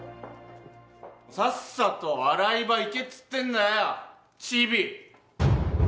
さっさと洗い場行けっつってんだよチビ！